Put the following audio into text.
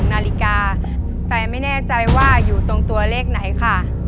ตัวเลือดที่๓ม้าลายกับนกแก้วมาคอ